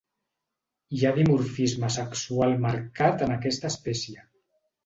Hi ha dimorfisme sexual marcat en aquesta espècie.